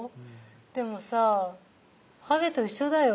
「でもさハゲと一緒だよ」